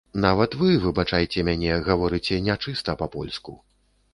Нават вы, выбачайце мяне, гаворыце не чыста па-польску.